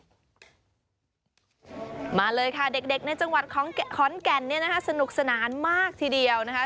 มาเลยค่ะเด็กในจังหวัดของขอนแก่นเนี่ยนะคะสนุกสนานมากทีเดียวนะคะ